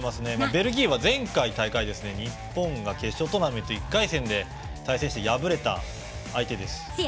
ベルギーは前回の大会で日本が決勝トーナメントの１回戦で対戦して敗れた相手です。